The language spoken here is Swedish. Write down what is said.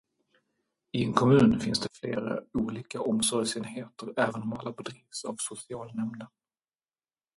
I en kommun finns det flera olika omsorgsenheter även om alla bedrivs av socialnämnden.